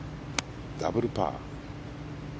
ダブルパー。